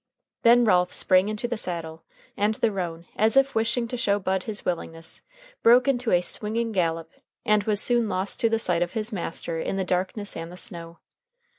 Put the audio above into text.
Then Ralph sprang into the saddle, and the roan, as if wishing to show Bud his willingness, broke into a swinging gallop, and was soon lost to the sight of his master in the darkness and the snow.